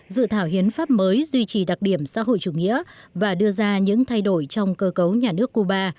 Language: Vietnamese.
dự thảo hiến pháp mới duy trì đặc điểm xã hội chủ nghĩa và đưa ra những thay đổi trong cơ cấu nhà nước cuba